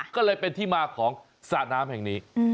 ก็เลยเป็นที่มาของสระน้ำแห่งนี้